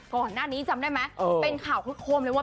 ก่อนหน้านี้จำได้ไหมเป็นข่าวคึกโคมเลยว่า